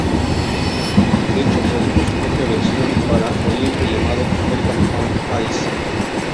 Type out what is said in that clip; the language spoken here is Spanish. De hecho, produjo su propia versión para Oriente llamado "America On Ice".